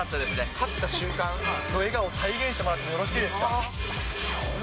勝ったときの笑顔、再現してもらってもよろしいですか？